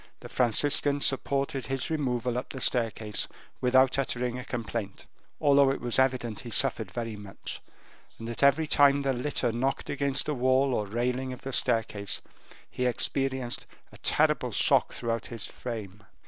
The Franciscan supported his removal up the staircase without uttering a complaint, although it was evident he suffered very much, and that every time the litter knocked against the wall or the railing of the staircase, he experienced a terrible shock throughout his frame.